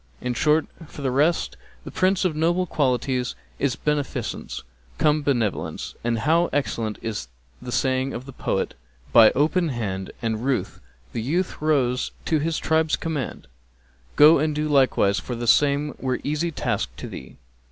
[FN#265] In short, for the rest, the Prince of noble qualities is Beneficence cum Benevolence; and how excellent is the saying of the poet, By open hand and ruth the youth rose to his tribe's command; * Go and do likewise for the same were easy task to thee.'